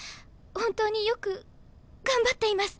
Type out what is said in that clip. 本当によく頑張っています。